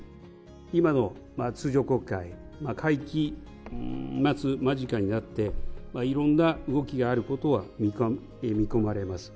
今の通常国会、会期末間近になって、いろんな動きがあることは見込まれます。